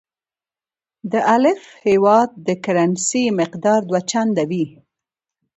د الف هیواد د کرنسۍ مقدار دوه چنده وي.